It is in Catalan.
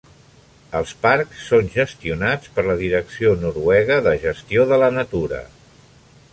Els parcs són gestionats per la Direcció noruega de gestió de la natura.